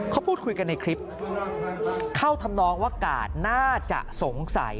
เขาพูดคุยกันในคลิปเข้าทำนองว่ากาดน่าจะสงสัย